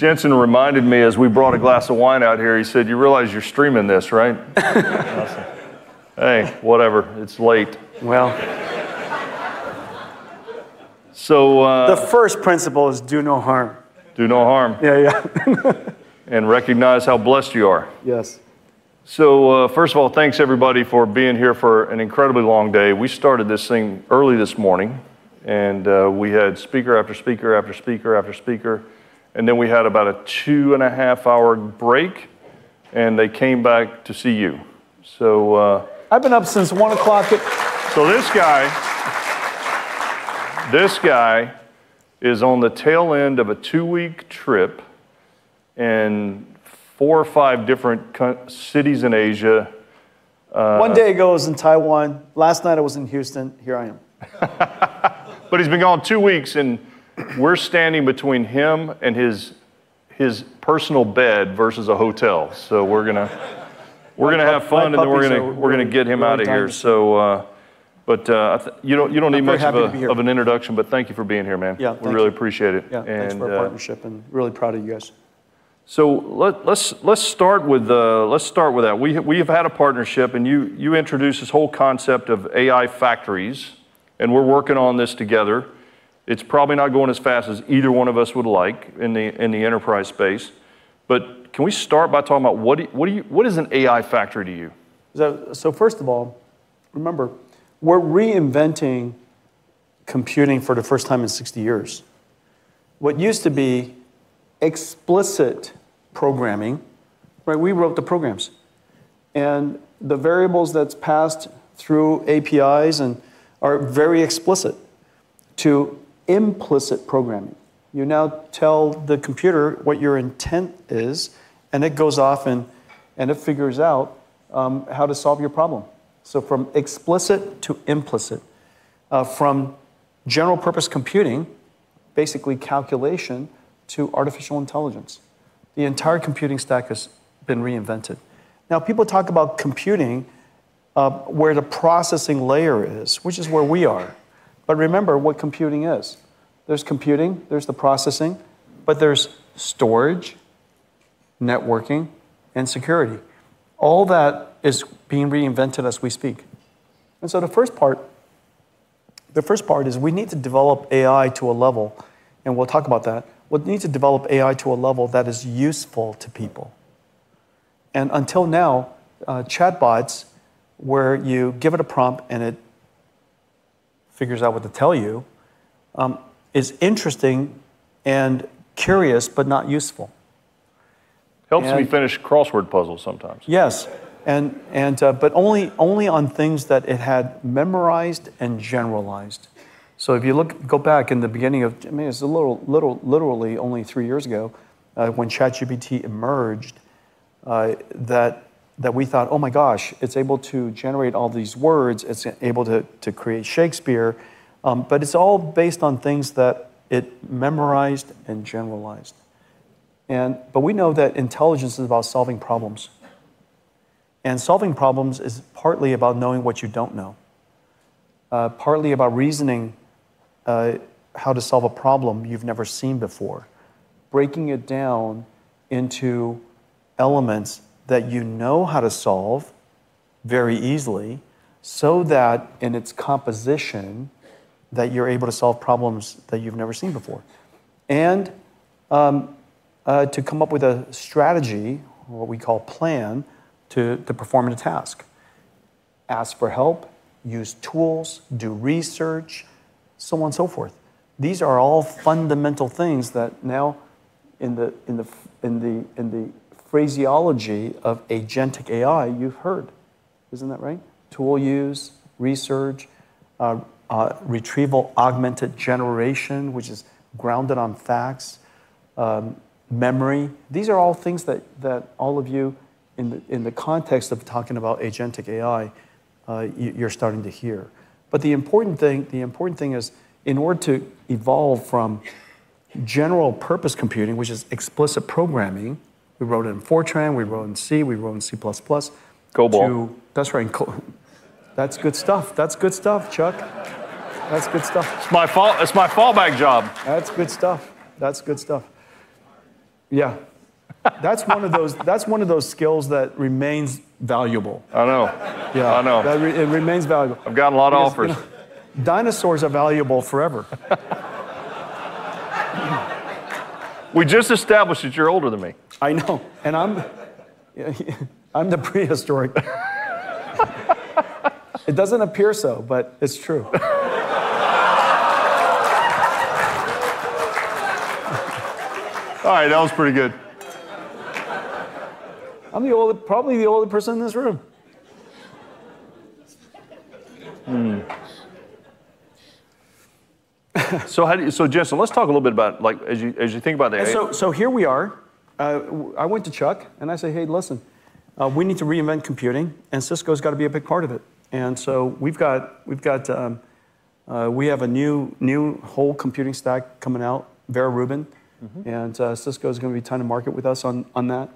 Jensen reminded me as we brought a glass of wine out here, he said, "You realize you're streaming this, right?" Awesome. Hey, whatever, it's late. Well, So, uh- The first principle is do no harm. Do no harm. Yeah, yeah. Recognize how blessed you are. Yes. So, first of all, thanks everybody for being here for an incredibly long day. We started this thing early this morning, and we had speaker after speaker after speaker after speaker, and then we had about a 2.5-hour break, and they came back to see you. So, I've been up since 1:00 A.M. This guy, this guy is on the tail end of a two-week trip in four or five different countries, cities in Asia. One day ago I was in Taiwan. Last night, I was in Houston. Here I am. But he's been gone two weeks, and we're standing between him and his, his personal bed versus a hotel. So we're gonna, we're gonna have fun- My puppies were-... and then we're gonna, we're gonna get him out of here. Long time. So, but you don't, you don't need much of a- I'm very happy to be here.... of an introduction, but thank you for being here, man. Yeah, thank you. We really appreciate it. Yeah. And, uh- Thanks for our partnership, and really proud of you guys. So, let's start with that. We have had a partnership, and you introduced this whole concept of AI factories, and we're working on this together. It's probably not going as fast as either one of us would like in the enterprise space, but can we start by talking about what is an AI factory to you? So, so first of all, remember, we're reinventing computing for the first time in 60 years. What used to be explicit programming, right? We wrote the programs, and the variables that's passed through APIs and are very explicit to implicit programming. You now tell the computer what your intent is, and it goes off, and, and it figures out how to solve your problem. So from explicit to implicit, from general purpose computing, basically calculation, to artificial intelligence. The entire computing stack has been reinvented. Now, people talk about computing, where the processing layer is, which is where we are. But remember what computing is. There's computing, there's the processing, but there's storage, networking, and security. All that is being reinvented as we speak. And so the first part, the first part is we need to develop AI to a level, and we'll talk about that. We need to develop AI to a level that is useful to people. Until now, chatbots, where you give it a prompt and it figures out what to tell you, is interesting and curious, but not useful. And- Helps me finish crossword puzzles sometimes. Yes. And but only on things that it had memorized and generalized. So if you look... Go back in the beginning of, I mean, it's a little literally only three years ago, when ChatGPT emerged, that we thought, "Oh, my gosh, it's able to generate all these words. It's able to create Shakespeare," but it's all based on things that it memorized and generalized. And but we know that intelligence is about solving problems, and solving problems is partly about knowing what you don't know, partly about reasoning how to solve a problem you've never seen before. Breaking it down into elements that you know how to solve very easily, so that in its composition, that you're able to solve problems that you've never seen before. To come up with a strategy, what we call plan, to perform a task, ask for help, use tools, do research, so on, so forth. These are all fundamental things that now in the phraseology of agentic AI, you've heard. Isn't that right? Tool use, research, retrieval-augmented generation, which is grounded on facts, memory. These are all things that all of you in the context of talking about agentic AI, you're starting to hear. But the important thing, the important thing is, in order to evolve from general purpose computing, which is explicit programming, we wrote it in Fortran, we wrote in C, we wrote in C++ to- COBOL. That's right. That's good stuff. That's good stuff, Chuck. That's good stuff. It's my fallback job. That's good stuff. That's good stuff. Yeah. That's one of those, that's one of those skills that remains valuable. I know. I know. It remains valuable. I've gotten a lot of offers. Dinosaurs are valuable forever. We just established that you're older than me. I know, and I'm, I'm the prehistoric. It doesn't appear so, but it's true. All right, that was pretty good. I'm the older, probably the older person in this room. Hmm. So how do you... So Jensen, let's talk a little bit about, like, as you, as you think about the AI- So, so here we are. I went to Chuck, and I said: Hey, listen, we need to reinvent computing, and Cisco's got to be a big part of it. We've got, we've got, we have a new, new whole computing stack coming out, Vera Rubin. Mm-hmm. And, Cisco is gonna be a ton of market with us on that.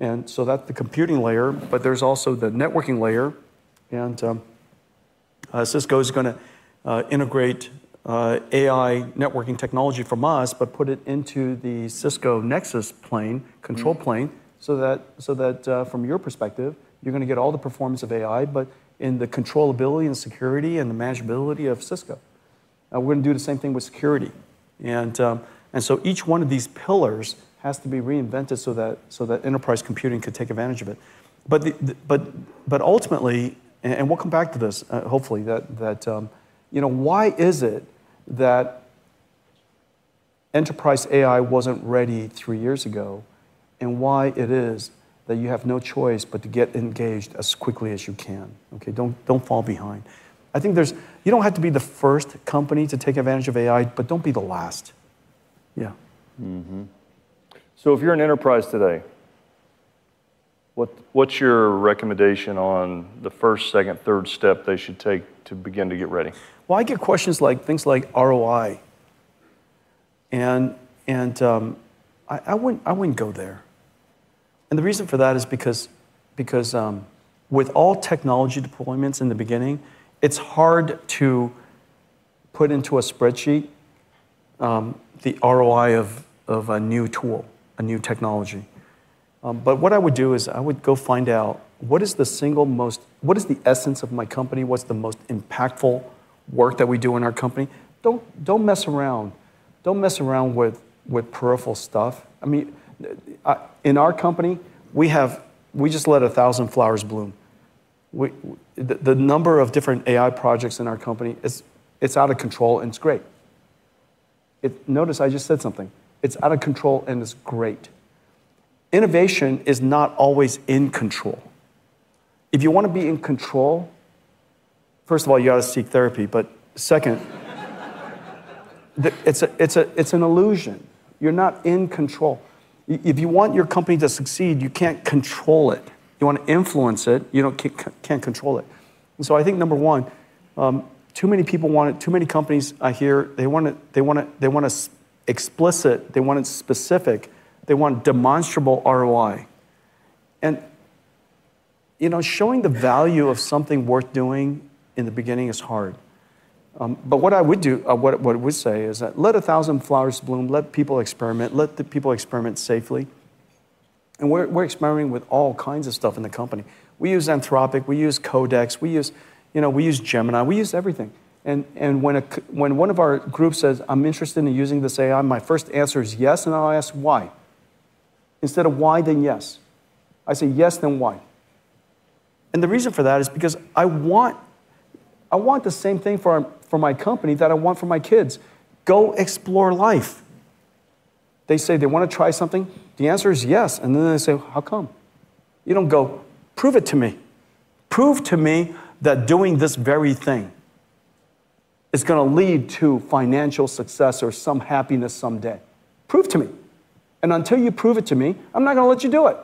And so that's the computing layer, but there's also the networking layer, and, Cisco is gonna integrate AI networking technology from us, but put it into the Cisco Nexus plane. Control plane, so that from your perspective, you're gonna get all the performance of AI, but in the controllability, and security, and the manageability of Cisco. And we're gonna do the same thing with security. And so each one of these pillars has to be reinvented, so that enterprise computing could take advantage of it. But ultimately, and we'll come back to this, hopefully, you know, why is it that enterprise AI wasn't ready three years ago? And why it is that you have no choice but to get engaged as quickly as you can? Okay, don't fall behind. I think there's you don't have to be the first company to take advantage of AI, but don't be the last. Yeah. Mm-hmm. So if you're an enterprise today, what's your recommendation on the first, second, third step they should take to begin to get ready? Well, I get questions like things like ROI, and I wouldn't go there. The reason for that is because with all technology deployments in the beginning, it's hard to put into a spreadsheet the ROI of a new tool, a new technology. But what I would do is I would go find out what is the essence of my company? What's the most impactful work that we do in our company? Don't mess around with peripheral stuff. I mean, in our company, we have. We just let a thousand flowers bloom. The number of different AI projects in our company is out of control, and it's great. Notice I just said something, "It's out of control, and it's great." Innovation is not always in control. If you wanna be in control, first of all, you gotta seek therapy, but second, it's an illusion. You're not in control. If you want your company to succeed, you can't control it. You wanna influence it, you can't control it. And so I think, number one, too many people want it, too many companies I hear, they want it explicit, they want it specific, they want demonstrable ROI. And, you know, showing the value of something worth doing in the beginning is hard. But what I would do, or what I would say is that, "Let a thousand flowers bloom, let people experiment, let the people experiment safely." And we're experimenting with all kinds of stuff in the company. We use Anthropic, we use Codex, we use, you know, we use Gemini, we use everything. And when one of our group says, "I'm interested in using this AI," my first answer is, "Yes," and then I'll ask, "Why?" Instead of, "Why, then yes" I say, "Yes, then why?" And the reason for that is because I want the same thing for my company, that I want for my kids: "Go explore life." They say they wanna try something, the answer is, "Yes," and then I say, "How come?" You don't go, "Prove it to me. Prove to me that doing this very thing is gonna lead to financial success or some happiness someday. Prove to me, and until you prove it to me, I'm not gonna let you do it!"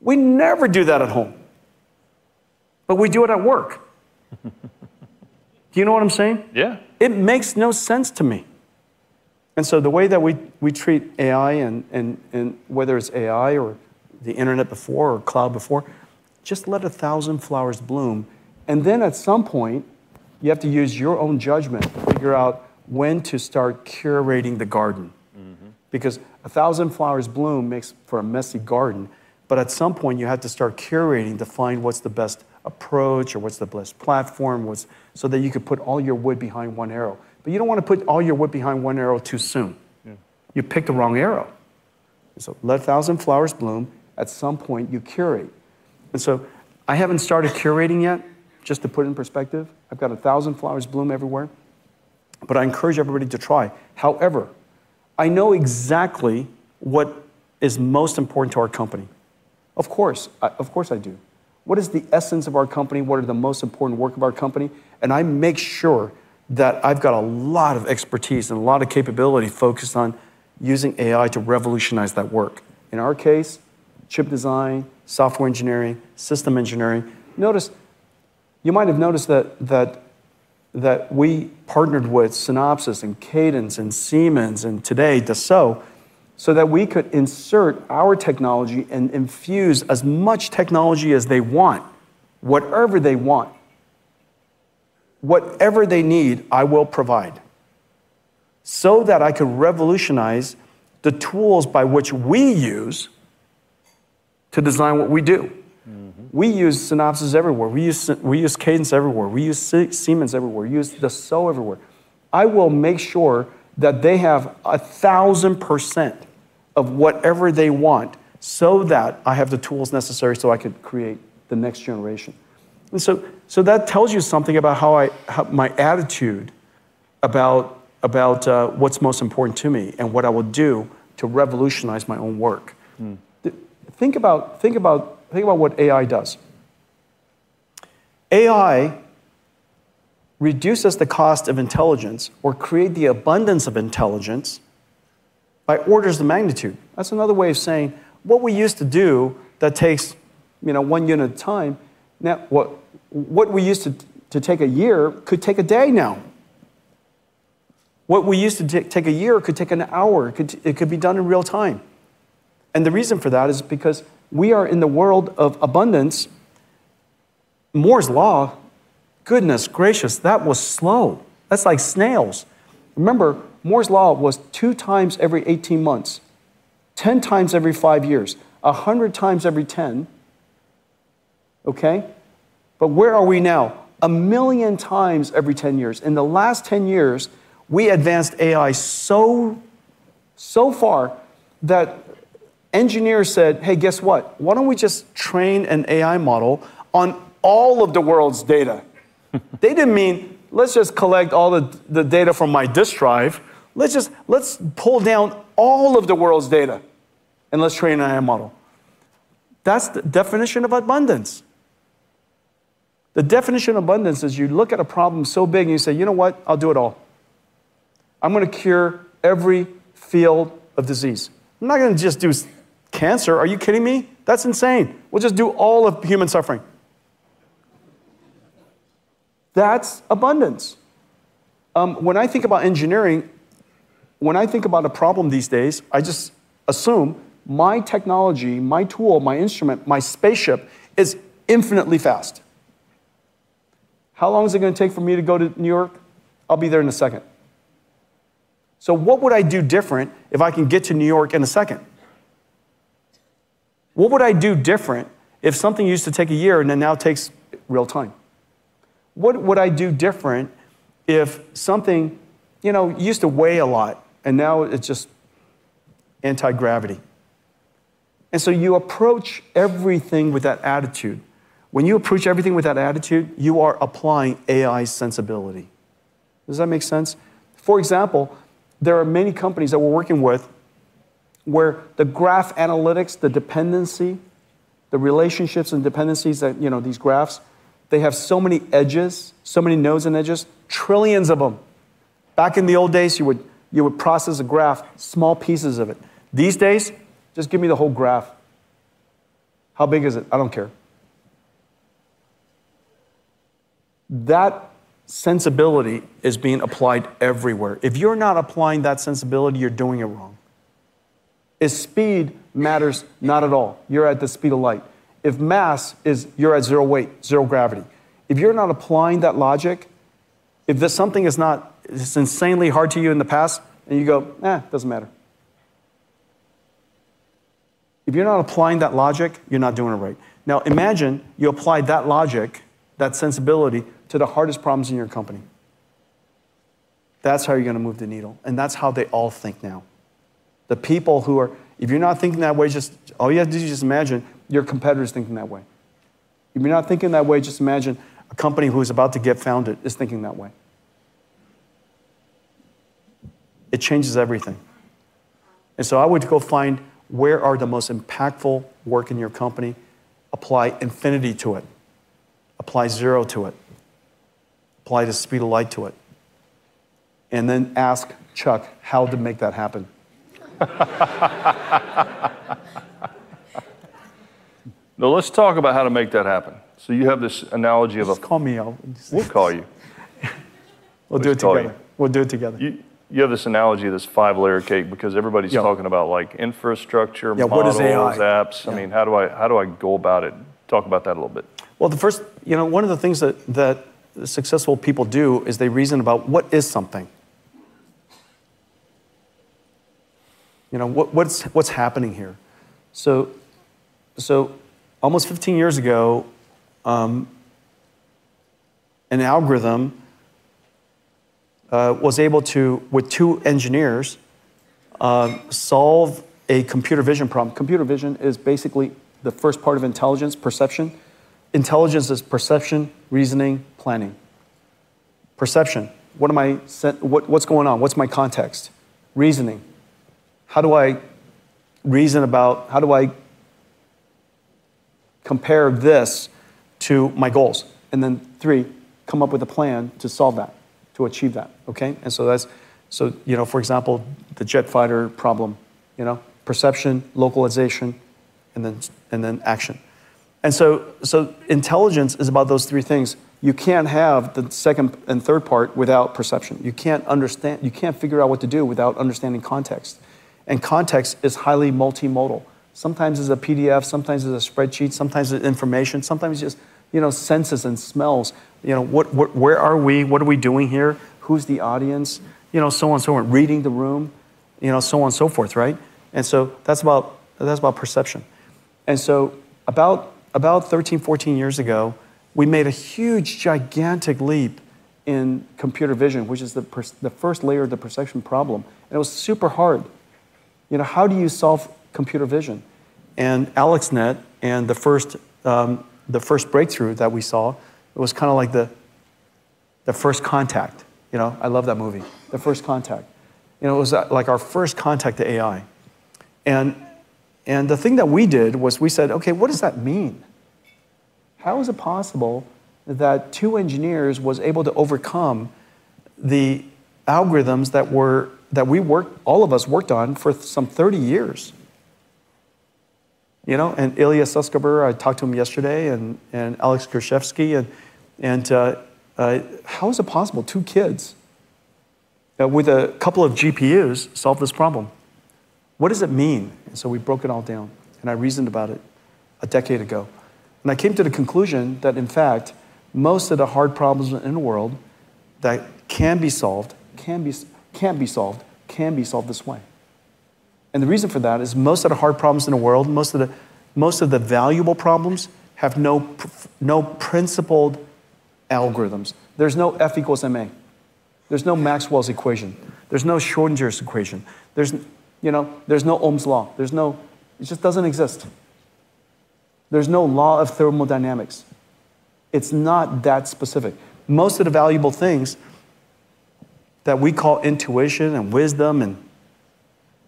We never do that at home, but we do it at work. Do you know what I'm saying? Yeah. It makes no sense to me. And so the way that we treat AI and whether it's AI, or the internet before, or cloud before, just let a thousand flowers bloom. And then at some point, you have to use your own judgment to figure out when to start curating the garden. Mm-hmm. Because a thousand flowers bloom makes for a messy garden, but at some point, you have to start curating to find what's the best approach or what's the best platform, what's... So that you can put all your wood behind one arrow. But you don't wanna put all your wood behind one arrow too soon. Yeah. You pick the wrong arrow. So let a thousand flowers bloom, at some point you curate. And so I haven't started curating yet, just to put it in perspective. I've got a thousand flowers bloom everywhere, but I encourage everybody to try. However, I know exactly what is most important to our company. Of course, I, of course, I do. What is the essence of our company? What are the most important work of our company? And I make sure that I've got a lot of expertise and a lot of capability focused on using AI to revolutionize that work. In our case, chip design, software engineering, system engineering. Notice. You might have noticed that, that, that we partnered with Synopsys, and Cadence, and Siemens, and today, Dassault, so that we could insert our technology and infuse as much technology as they want. Whatever they want, whatever they need, I will provide, so that I could revolutionize the tools by which we use to design what we do. Mm-hmm. We use Synopsys everywhere, we use Cadence everywhere, we use Siemens everywhere, we use Dassault everywhere. I will make sure that they have 1,000% of whatever they want, so that I have the tools necessary, so I could create the next generation. So that tells you something about how my attitude about what's most important to me and what I will do to revolutionize my own work. Mm. Think about what AI does. AI reduces the cost of intelligence or create the abundance of intelligence by orders of magnitude. That's another way of saying, what we used to do that takes, you know, one unit of time, now, what we used to take a year could take a day now. What we used to take a year could take an hour. It could be done in real time. And the reason for that is because we are in the world of abundance. Moore's Law, goodness gracious, that was slow! That's like snails. Remember, Moore's Law was two times every 18 months, 10 times every five years, 100 times every 10, okay? But where are we now? A million times every 10 years. In the last 10 years, we advanced AI so, so far, that engineers said, "Hey, guess what? Why don't we just train an AI model on all of the world's data?" They didn't mean, "Let's just collect all of the data from my disk drive." Let's pull down all of the world's data, and let's train an AI model. That's the definition of abundance. The definition of abundance is, you look at a problem so big, and you say, "You know what? I'll do it all. I'm gonna cure every field of disease. I'm not gonna just do cancer. Are you kidding me? That's insane. We'll just do all of human suffering." That's abundance. When I think about engineering, when I think about a problem these days, I just assume my technology, my tool, my instrument, my spaceship, is infinitely fast. How long is it gonna take for me to go to New York? I'll be there in a second. So what would I do different if I can get to New York in a second? What would I do different if something used to take a year, and it now takes real time? What would I do different if something, you know, used to weigh a lot, and now it's just anti-gravity? And so you approach everything with that attitude. When you approach everything with that attitude, you are applying AI sensibility. Does that make sense? For example, there are many companies that we're working with, where the graph analytics, the dependency, the relationships and dependencies that... You know, these graphs, they have so many edges, so many nodes and edges, trillions of them. Back in the old days, you would, you would process a graph, small pieces of it. These days, "Just give me the whole graph. How big is it? I don't care." That sensibility is being applied everywhere. If you're not applying that sensibility, you're doing it wrong. If speed matters not at all, you're at the speed of light. If mass is, you're at zero weight, zero gravity. If you're not applying that logic, if there's something that's not—it's insanely hard to you in the past, and you go, "Eh, doesn't matter," if you're not applying that logic, you're not doing it right. Now, imagine you applied that logic, that sensibility, to the hardest problems in your company. That's how you're gonna move the needle, and that's how they all think now. The people who are... If you're not thinking that way, just, all you have to do is just imagine your competitor's thinking that way. If you're not thinking that way, just imagine a company who's about to get founded is thinking that way. It changes everything. And so I would go find where the most impactful work in your company is. Apply infinity to it, apply zero to it, apply the speed of light to it, and then ask Chuck how to make that happen. Now, let's talk about how to make that happen. So you have this analogy of a- Just call me, I'll- We'll call you. We'll just call you. We'll do it together. We'll do it together. You have this analogy of this five-layer cake, because everybody's- Yeah... talking about, like, infrastructure- Yeah, what is AI? -models, apps. Yeah. I mean, how do I, how do I go about it? Talk about that a little bit. Well, you know, one of the things that successful people do is they reason about what is something? You know, what's happening here? So almost 15 years ago, an algorithm was able to, with two engineers, solve a computer vision problem. Computer vision is basically the first part of intelligence, perception. Intelligence is perception, reasoning, planning. Perception, what am I sensing? What’s going on? What’s my context? Reasoning, how do I reason about it? How do I compare this to my goals? And then three, come up with a plan to solve that, to achieve that, okay? And so that’s it. So, you know, for example, the jet fighter problem, you know, perception, localization, and then action. And so intelligence is about those three things. You can’t have the second and third part without perception. You can't understand. You can't figure out what to do without understanding context, and context is highly multimodal. Sometimes it's a PDF, sometimes it's a spreadsheet, sometimes it's information, sometimes just, you know, senses and smells. You know, what, where are we? What are we doing here? Who's the audience? You know, so on and so on. Reading the room, you know, so on and so forth, right? And so that's about perception. And so about 13-14 years ago, we made a huge, gigantic leap in computer vision, which is the first layer of the perception problem, and it was super hard. You know, how do you solve computer vision? And AlexNet and the first breakthrough that we saw, it was kind of like The First Contact. You know, I love that movie. The First Contact. You know, it was like our first contact to AI. And the thing that we did was we said: Okay, what does that mean? How is it possible that two engineers was able to overcome the algorithms that we worked, all of us worked on for some 30 years? You know, and Ilya Sutskever, I talked to him yesterday, and Alex Krizhevsky, and how is it possible two kids with a couple of GPUs solved this problem? What does it mean? And so we broke it all down, and I reasoned about it a decade ago. And I came to the conclusion that, in fact, most of the hard problems in the world that can be solved, can't be solved, can be solved this way. The reason for that is most of the hard problems in the world, most of the, most of the valuable problems, have no principled algorithms. There's no F equals ma. There's no Maxwell's equation. There's no Schrödinger's equation. There's, you know, there's no Ohm's Law. There's no... It just doesn't exist. There's no law of thermodynamics. It's not that specific. Most of the valuable things that we call intuition and wisdom, and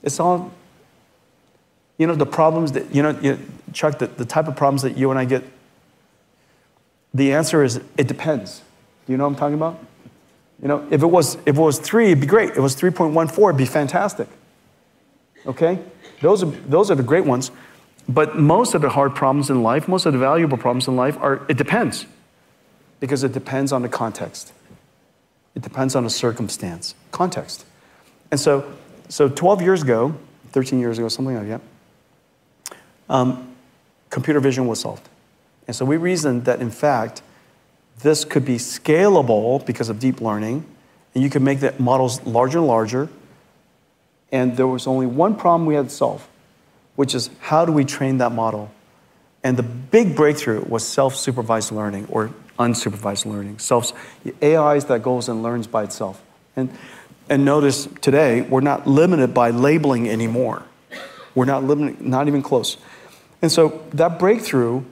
it's all, you know, the problems that, you know, you, Chuck, the type of problems that you and I get, the answer is, "It depends." Do you know what I'm talking about? You know, if it was, if it was three, it'd be great. If it was 3.14, it'd be fantastic, okay? Those are, those are the great ones, but most of the hard problems in life, most of the valuable problems in life are, "It depends," because it depends on the context. It depends on the circumstance, context. So, 12 years ago, 13 years ago, something like that, computer vision was solved, and so we reasoned that, in fact, this could be scalable because of deep learning, and you could make the models larger and larger, and there was only one problem we had to solve, which is: how do we train that model? And the big breakthrough was self-supervised learning or unsupervised learning. Self-supervised AI is that goes and learns by itself, and notice today, we're not limited by labeling anymore. We're not limited, not even close. And so that breakthrough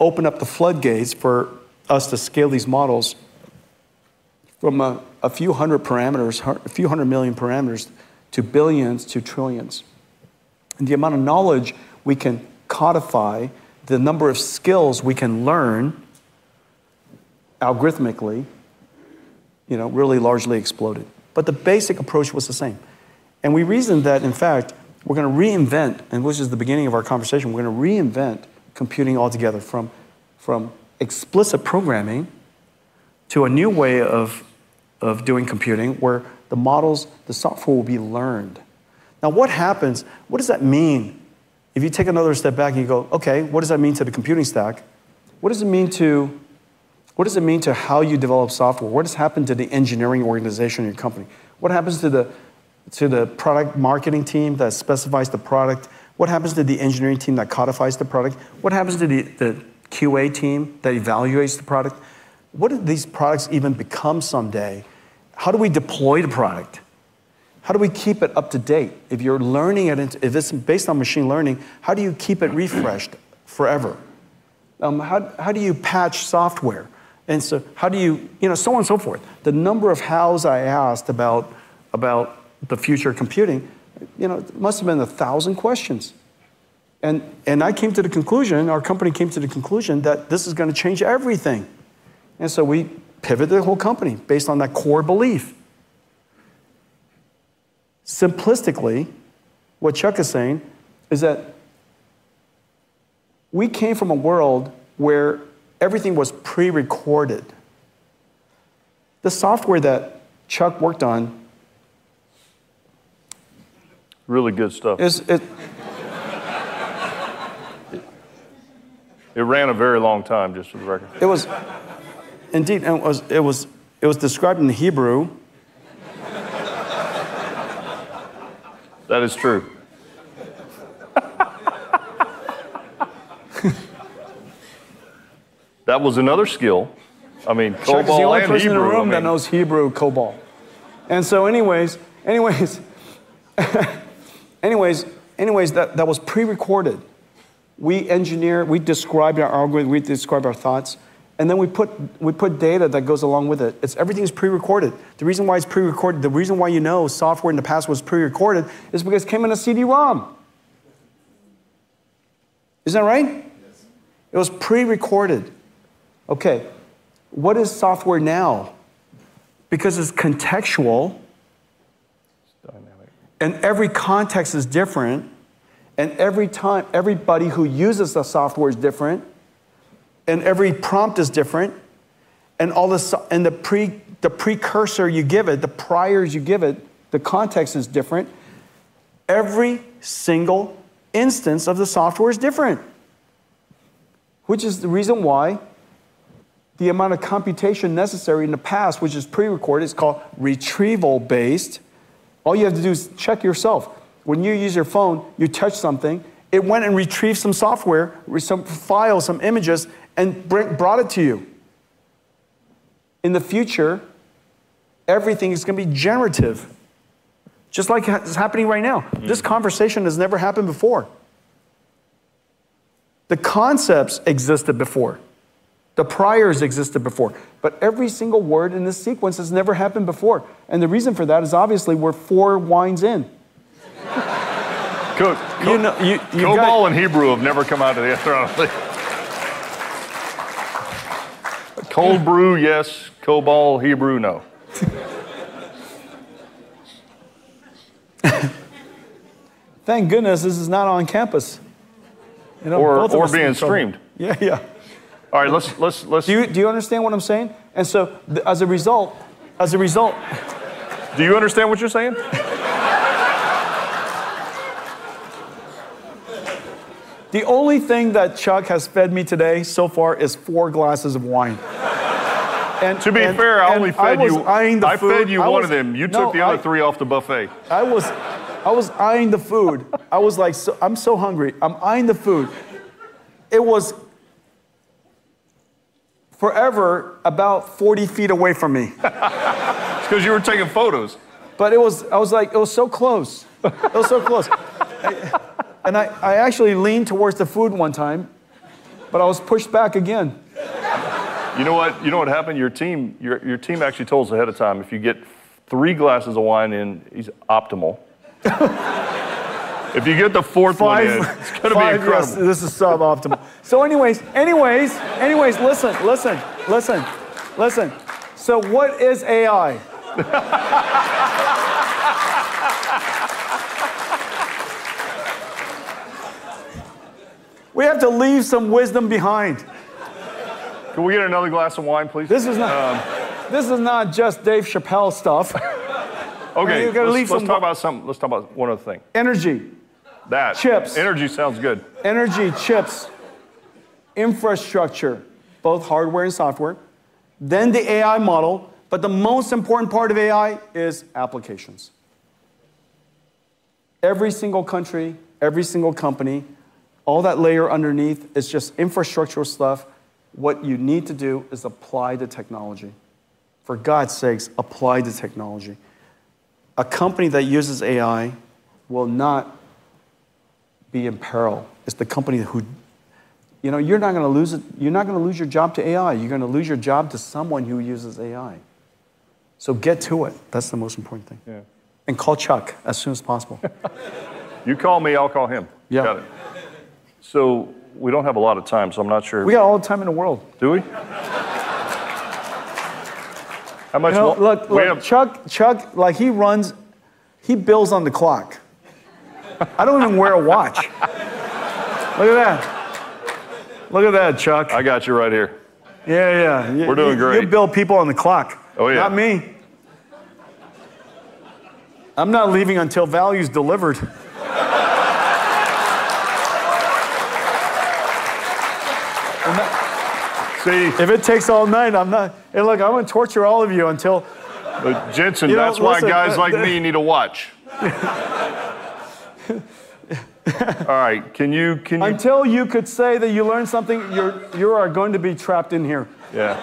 opened up the floodgates for us to scale these models from a few hundred parameters, a few hundred million parameters to billions, to trillions. And the amount of knowledge we can codify, the number of skills we can learn algorithmically, you know, really largely exploded. But the basic approach was the same, and we reasoned that, in fact, we're gonna reinvent, and which is the beginning of our conversation, we're gonna reinvent computing altogether, from explicit programming to a new way of doing computing, where the models, the software will be learned. Now, what happens? What does that mean? If you take another step back and you go, "Okay, what does that mean to the computing stack? What does it mean to, what does it mean to how you develop software? What has happened to the engineering organization in your company? What happens to the product marketing team that specifies the product? What happens to the engineering team that codifies the product? What happens to the QA team that evaluates the product? What do these products even become someday? How do we deploy the product? How do we keep it up to date? If it's based on machine learning, how do you keep it refreshed forever? How do you patch software? And so how do you... You know, so on and so forth. The number of hows I asked about the future of computing, you know, must have been 1,000 questions. And I came to the conclusion, our company came to the conclusion that this is gonna change everything. And so we pivoted the whole company based on that core belief. Simplistically, what Chuck is saying is that we came from a world where everything was pre-recorded. The software that Chuck worked on- Really good stuff. Is, it- It ran a very long time, just for the record. It was indeed, and it was described in Hebrew. That is true. That was another skill. I mean, COBOL and Hebrew, I mean- Chuck is the only person in the room that knows Hebrew COBOL. And so anyways, that was pre-recorded. We engineer, we describe our algorithm, we describe our thoughts, and then we put data that goes along with it. It's everything is pre-recorded. The reason why it's pre-recorded, the reason why you know software in the past was pre-recorded is because it came in a CD-ROM. Isn't that right? Yes. It was pre-recorded. Okay, what is software now? Because it's contextual- It's dynamic... and every context is different, and everybody who uses the software is different, and every prompt is different, and the precursor you give it, the priors you give it, the context is different. Every single instance of the software is different, which is the reason why the amount of computation necessary in the past, which is pre-recorded, it's called retrieval-based. All you have to do is check yourself. When you use your phone, you touch something, it went and retrieved some software, some files, some images, and brought it to you. In the future, everything is gonna be generative, just like it's happening right now. This conversation has never happened before. The concepts existed before. The priors existed before. But every single word in this sequence has never happened before, and the reason for that is obviously we're four wines in. Good. You know, you got- COBOL and Hebrew have never come out of the other way. Cold brew, yes. COBOL Hebrew, no. Thank goodness this is not on campus. You know, both of us- Or being streamed. Yeah. Yeah. All right, let's- Do you understand what I'm saying? And so, as a result, Do you understand what you're saying? The only thing that Chuck has fed me today so far is four glasses of wine. To be fair, I only fed you- I was eyeing the food. I fed you one of them. No, I- You took the other three off the buffet. I was, I was eyeing the food. I was like, "So... I'm so hungry." I'm eyeing the food. It was forever, about 40 ft away from me. It's 'cause you were taking photos. But it was... I was like, "It was so close." "It was so close." And I, I actually leaned towards the food one time, but I was pushed back again. You know what? You know what happened? Your team actually told us ahead of time, if you get three glasses of wine in, he's optimal. If you get the fourth one in- Five... it's gonna be a problem. Five, yes, this is suboptimal. So anyways... listen. So what is AI? We have to leave some wisdom behind. Can we get another glass of wine, please? This is not— Um- This is not just Dave Chappelle stuff. Okay. You've gotta leave some- Let's talk about something... Let's talk about one other thing. Energy. That. Chips. Energy sounds good. Energy, chips, infrastructure, both hardware and software, then the AI model, but the most important part of AI is applications. Every single country, every single company, all that layer underneath is just infrastructure stuff. What you need to do is apply the technology. For God's sakes, apply the technology. A company that uses AI will not be in peril. It's the company who, you know, you're not gonna lose it, you're not gonna lose your job to AI, you're gonna lose your job to someone who uses AI. So get to it. That's the most important thing. Yeah. Call Chuck as soon as possible. You call me, I'll call him. Yeah. Got it. So we don't have a lot of time, so I'm not sure- We got all the time in the world. Do we? How much more- Look, look- Ma'am... Chuck, Chuck, like, he runs, he bills on the clock. I don't even wear a watch. Look at that. Look at that, Chuck. I got you right here. Yeah, yeah. We're doing great. You bill people on the clock. Oh, yeah. Not me. I'm not leaving until value's delivered. See- If it takes all night, I'm not... Hey, look, I'm gonna torture all of you until- But Jensen- You know, listen-... that's why guys like me need to watch. All right, can you, can you- Until you could say that you learned something, you are going to be trapped in here. Yeah.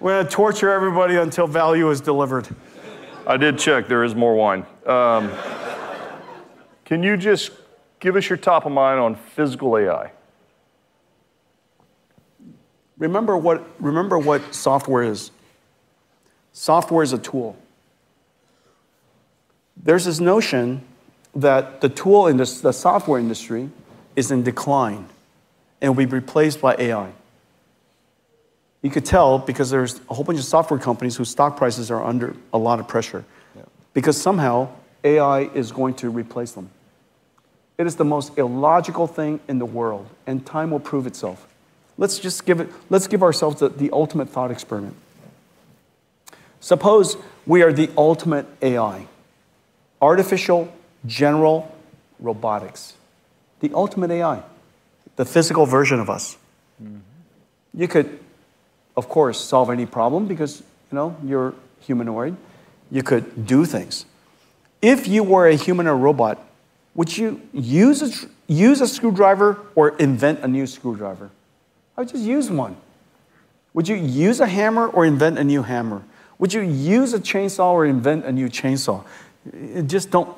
We're gonna torture everybody until value is delivered. I did check, there is more wine. Can you just give us your top of mind on physical AI? Remember what, remember what software is. Software is a tool. There's this notion that the tool in the software industry is in decline, and will be replaced by AI. You could tell because there's a whole bunch of software companies whose stock prices are under a lot of pressure- Yeah... because somehow, AI is going to replace them. It is the most illogical thing in the world, and time will prove itself. Let's just give it - let's give ourselves the ultimate thought experiment. Suppose we are the ultimate AI, artificial general robotics. The ultimate AI, the physical version of us. Mm-hmm. You could, of course, solve any problem because, you know, you're humanoid. You could do things. If you were a human or a robot, would you use a screwdriver or invent a new screwdriver? I would just use one. Would you use a hammer or invent a new hammer? Would you use a chainsaw or invent a new chainsaw? It just don't.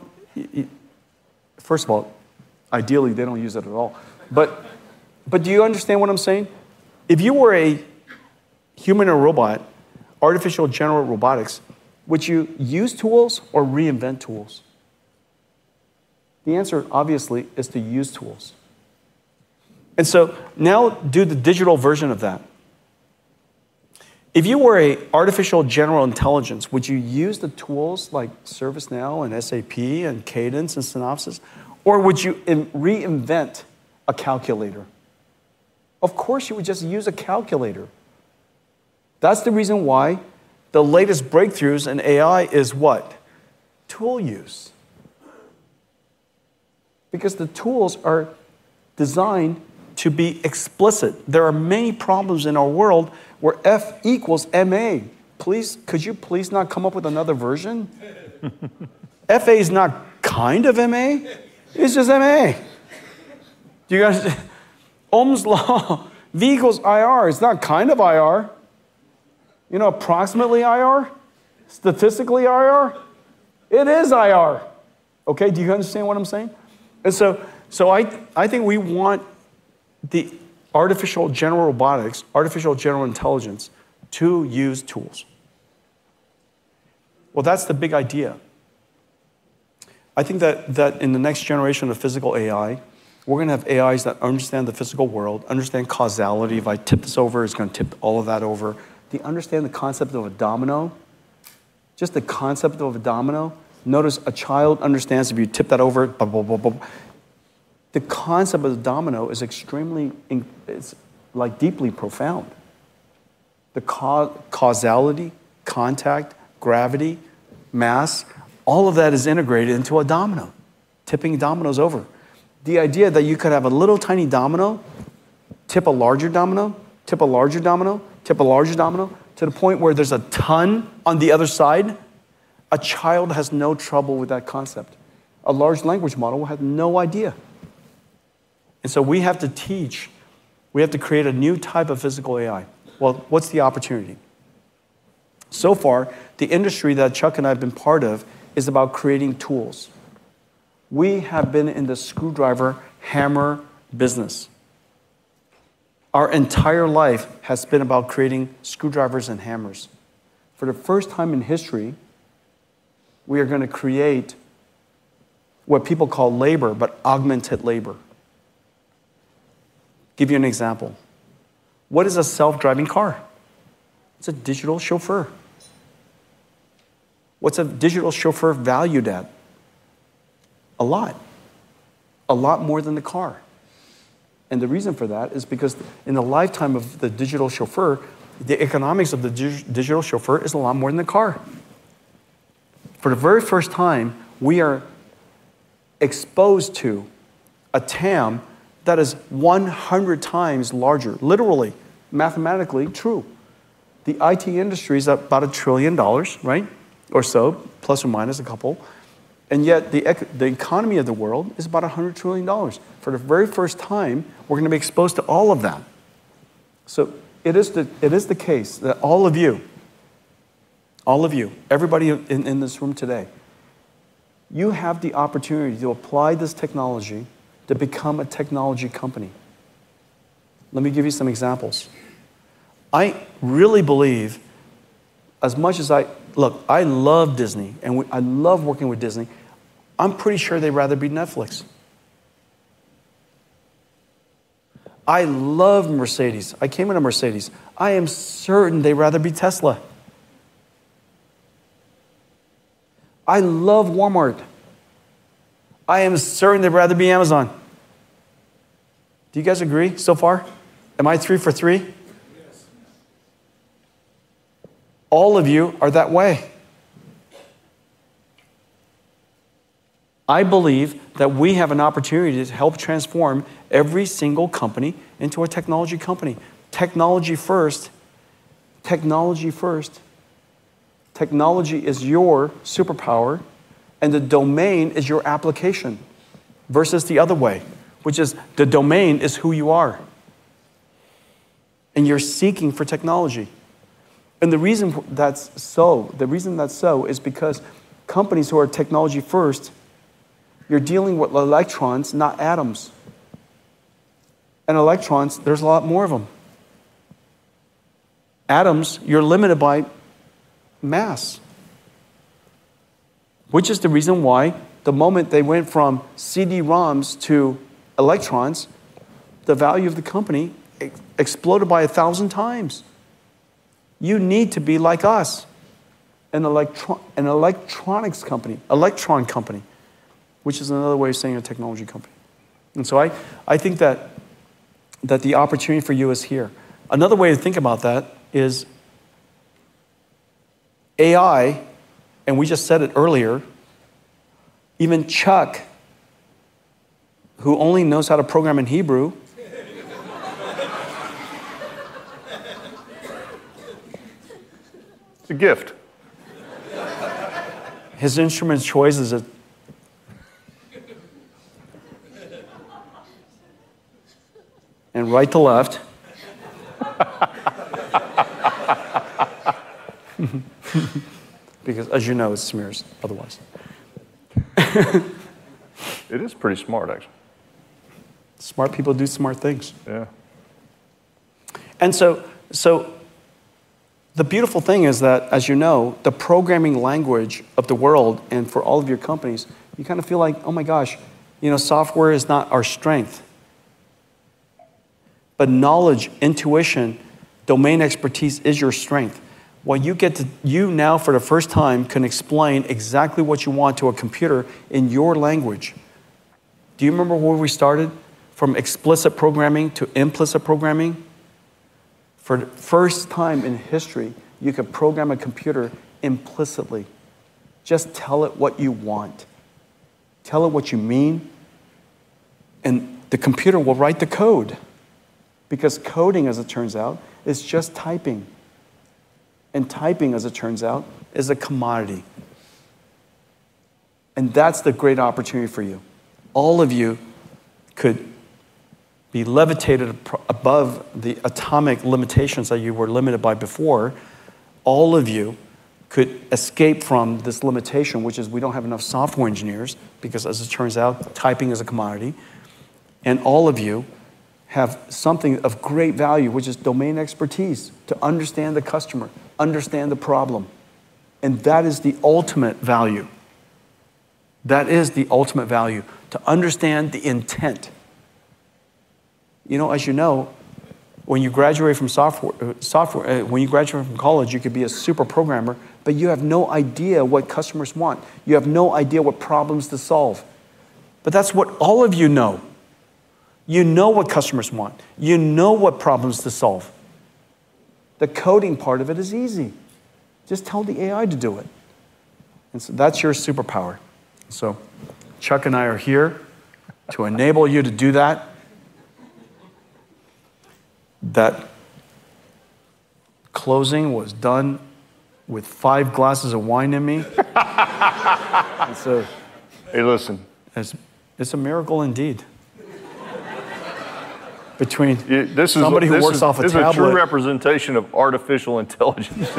First of all, ideally, they don't use it at all. But, but do you understand what I'm saying? If you were a human or robot, artificial general robotics, would you use tools or reinvent tools? The answer, obviously, is to use tools. And so now do the digital version of that. If you were a artificial general intelligence, would you use the tools like ServiceNow, and SAP, and Cadence, and Synopsys, or would you reinvent a calculator? Of course, you would just use a calculator. That's the reason why the latest breakthroughs in AI is what? Tool use. Because the tools are designed to be explicit. There are many problems in our world where F equals ma. Please, could you please not come up with another version? F is not kind of ma, it's just ma. Do you guys... Ohm's Law, V equals IR, it's not kind of IR. You know, approximately IR? Statistically IR? It is IR. Okay, do you understand what I'm saying? And so, so I, I think we want the Artificial General Robotics, artificial general intelligence, to use tools.... Well, that's the big idea. I think that, that in the next generation of physical AI, we're gonna have AIs that understand the physical world, understand causality. If I tip this over, it's gonna tip all of that over. Do you understand the concept of a domino? Just the concept of a domino. Notice, a child understands if you tip that over, ba, ba, ba, bum. The concept of the domino is extremely—it's, like, deeply profound. The causality, contact, gravity, mass, all of that is integrated into a domino, tipping dominoes over. The idea that you could have a little, tiny domino tip a larger domino, tip a larger domino, tip a larger domino, to the point where there's a ton on the other side, a child has no trouble with that concept. A large language model will have no idea, and so we have to teach. We have to create a new type of physical AI. Well, what's the opportunity? So far, the industry that Chuck and I have been part of is about creating tools. We have been in the screwdriver, hammer business. Our entire life has been about creating screwdrivers and hammers. For the first time in history, we are gonna create what people call labor, but augmented labor. Give you an example. What is a self-driving car? It's a digital chauffeur. What's a digital chauffeur valued at? A lot. A lot more than the car, and the reason for that is because in the lifetime of the digital chauffeur, the economics of the digital chauffeur is a lot more than the car. For the very first time, we are exposed to a TAM that is 100 times larger, literally, mathematically true. The IT industry is about a trillion dollars, right? Or so, plus or minus a couple, and yet the economy of the world is about a hundred trillion dollars. For the very first time, we're gonna be exposed to all of that. So it is the case that all of you, all of you, everybody in this room today, you have the opportunity to apply this technology to become a technology company. Let me give you some examples. I really believe, as much as I... Look, I love Disney, and I love working with Disney. I'm pretty sure they'd rather be Netflix. I love Mercedes. I came in a Mercedes. I am certain they'd rather be Tesla. I love Walmart. I am certain they'd rather be Amazon. Do you guys agree so far? Am I three for three? Yes. All of you are that way. I believe that we have an opportunity to help transform every single company into a technology company. Technology first. Technology first. Technology is your superpower, and the domain is your application, versus the other way, which is the domain is who you are, and you're seeking for technology. And the reason that's so, the reason that's so is because companies who are technology first, you're dealing with electrons, not atoms. And electrons, there's a lot more of them. Atoms, you're limited by mass, which is the reason why the moment they went from CD-ROMs to electrons, the value of the company exploded by 1,000 times. You need to be like us, an electron an electronics company, electron company, which is another way of saying a technology company. And so I, I think that, that the opportunity for you is here. Another way to think about that is AI, and we just said it earlier, even Chuck, who only knows how to program in Hebrew. It's a gift. His instrument choice is a and right to left. Because as you know, it smears otherwise. It is pretty smart, actually. Smart people do smart things. Yeah. And so, so the beautiful thing is that, as you know, the programming language of the world, and for all of your companies, you kind of feel like, "Oh, my gosh, you know, software is not our strength." But knowledge, intuition, domain expertise is your strength. When you get, you now, for the first time, can explain exactly what you want to a computer in your language. Do you remember where we started? From explicit programming to implicit programming. For the first time in history, you can program a computer implicitly. Just tell it what you want, tell it what you mean, and the computer will write the code, because coding, as it turns out, is just typing, and typing, as it turns out, is a commodity. And that's the great opportunity for you. All of you could be levitated above the atomic limitations that you were limited by before. All of you could escape from this limitation, which is we don't have enough software engineers, because, as it turns out, typing is a commodity... and all of you have something of great value, which is domain expertise, to understand the customer, understand the problem, and that is the ultimate value. That is the ultimate value, to understand the intent. You know, as you know, when you graduate from college, you could be a super programmer, but you have no idea what customers want. You have no idea what problems to solve. But that's what all of you know. You know what customers want. You know what problems to solve. The coding part of it is easy. Just tell the AI to do it, and so that's your superpower. So Chuck and I are here to enable you to do that. That closing was done with five glasses of wine in me. And so- Hey, listen. It's a miracle indeed. Between- Yeah, this is-... somebody who works off a tablet. This is a true representation of artificial intelligence.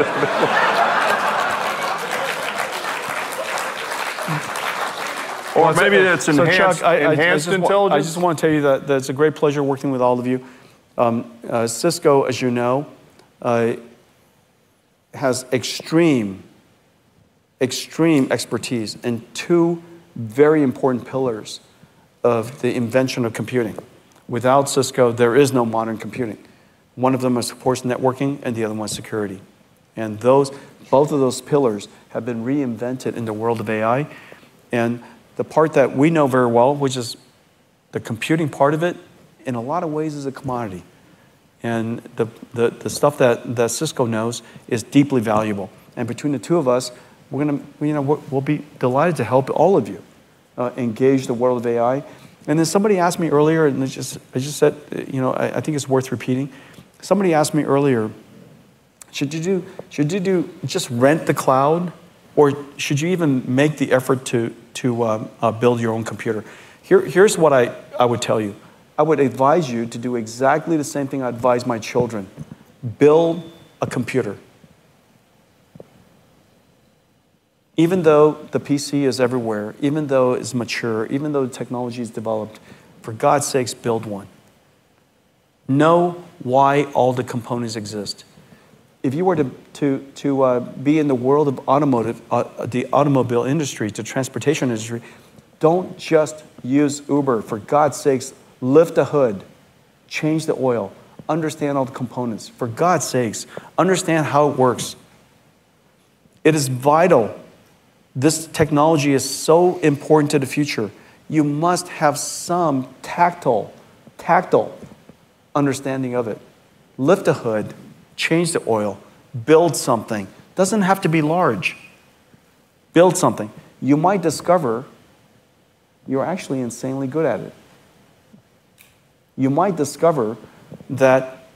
Or maybe that's enhanced- So, Chuck, I... enhanced intelligence? I just wanna tell you that it's a great pleasure working with all of you. Cisco, as you know, has extreme, extreme expertise in two very important pillars of the invention of computing. Without Cisco, there is no modern computing. One of them is, of course, networking, and the other one is security. And those, both of those pillars have been reinvented in the world of AI, and the part that we know very well, which is the computing part of it, in a lot of ways is a commodity. And the stuff that Cisco knows is deeply valuable, and between the two of us, we're gonna, you know, we'll be delighted to help all of you engage the world of AI. Somebody asked me earlier, and it's just, I just said, you know, I think it's worth repeating. Somebody asked me earlier, "Should you... Just rent the cloud, or should you even make the effort to build your own computer?" Here's what I would tell you. I would advise you to do exactly the same thing I advise my children: build a computer. Even though the PC is everywhere, even though it's mature, even though the technology is developed, for God's sakes, build one. Know why all the components exist. If you were to be in the world of automotive, the automobile industry, the transportation industry, don't just use Uber. For God's sakes, lift the hood, change the oil, understand all the components. For God's sakes, understand how it works. It is vital. This technology is so important to the future. You must have some tactile, tactile understanding of it. Lift the hood, change the oil, build something. Doesn't have to be large. Build something. You might discover you're actually insanely good at it. You might discover that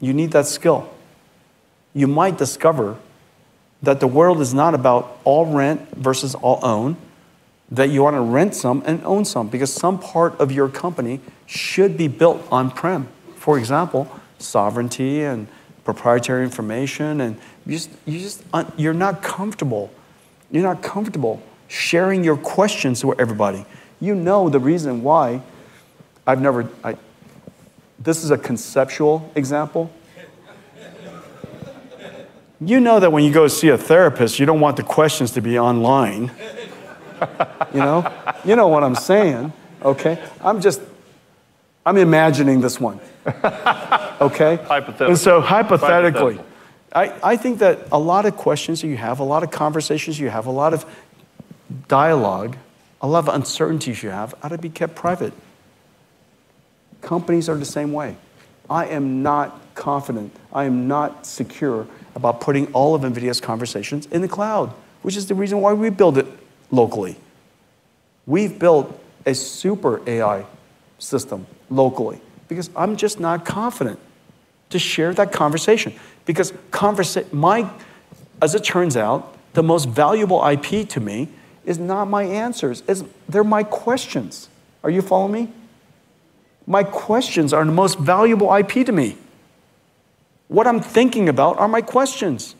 you need that skill. You might discover that the world is not about all rent versus all own, that you wanna rent some and own some, because some part of your company should be built on-prem. For example, sovereignty and proprietary information, and you just, you just, you're not comfortable, you're not comfortable sharing your questions with everybody. You know the reason why I've never... This is a conceptual example. You know that when you go see a therapist, you don't want the questions to be online. You know? You know what I'm saying, okay? I'm just, I'm imagining this one. Okay? Hypothetical. And so hypothetically- Hypothetical... I think that a lot of questions you have, a lot of conversations you have, a lot of dialogue, a lot of uncertainties you have, ought to be kept private. Companies are the same way. I am not confident, I am not secure about putting all of NVIDIA's conversations in the cloud, which is the reason why we build it locally. We've built a super AI system locally, because I'm just not confident to share that conversation, because my, as it turns out, the most valuable IP to me is not my answers; they're my questions. Are you following me? My questions are the most valuable IP to me. What I'm thinking about are my questions.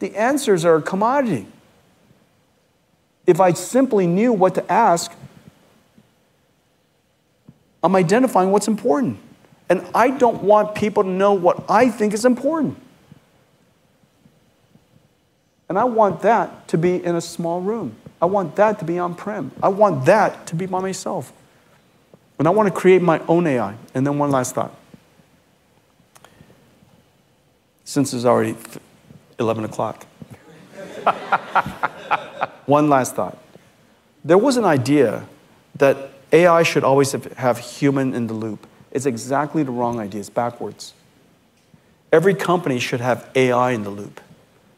The answers are a commodity. If I simply knew what to ask, I'm identifying what's important, and I don't want people to know what I think is important. And I want that to be in a small room. I want that to be on-prem. I want that to be by myself, and I want to create my own AI. And then one last thought. Since it's already 11:00 P.M.. One last thought. There was an idea that AI should always have, have human in the loop. It's exactly the wrong idea. It's backwards. Every company should have AI in the loop,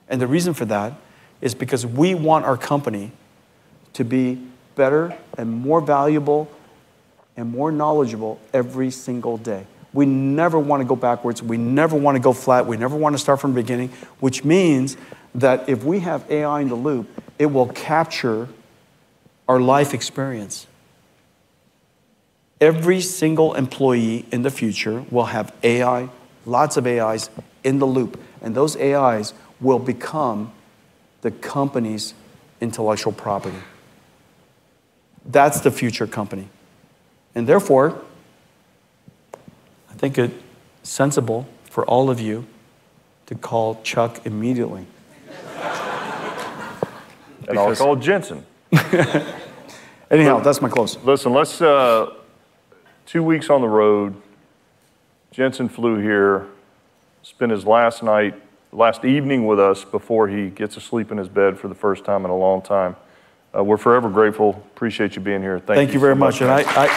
and the reason for that is because we want our company to be better and more valuable and more knowledgeable every single day. We never want to go backwards. We never want to go flat. We never want to start from the beginning, which means that if we have AI in the loop, it will capture our life experience. Every single employee in the future will have AI, lots of AIs, in the loop, and those AIs will become the company's intellectual property. That's the future company, and therefore, I think it sensible for all of you to call Chuck immediately. I'll call Jensen. Anyhow, that's my close. Listen, let's, two weeks on the road, Jensen flew here, spent his last night, last evening with us before he gets to sleep in his bed for the first time in a long time. We're forever grateful. Appreciate you being here. Thank you very much. Thank you very much, and I-